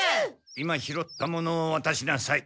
今拾ったものをわたしなさい。